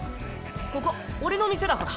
ここ俺の店だから。